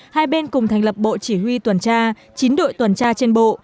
hai bên cùng thành lập bộ chỉ huy tuần tra chín đội tuần tra trên bộ